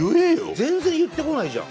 全然言ってこないじゃん。